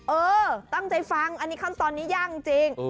เออตั้งใจฟังอันนี้ขั้นตอนนี้ยากจริง